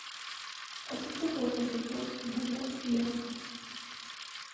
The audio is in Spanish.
Así como conejos, mulas y asnos.